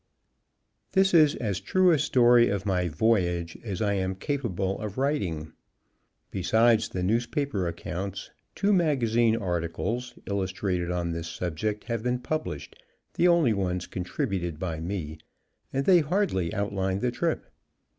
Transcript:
This is as true a story of my "voyage" as I am capable of writing. Besides the newspaper accounts, two magazine articles, illustrated on this subject have been published, the only ones contributed by me, and they hardly outlined the trip.